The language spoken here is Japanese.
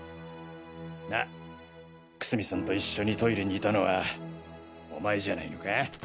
なぁ楠見さんと一緒にトイレにいたのはお前じゃないのか？